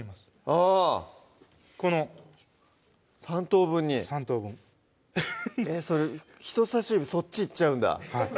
あぁ３等分に３等分それ人さし指そっち行っちゃうんだ